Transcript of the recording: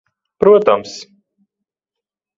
Protams.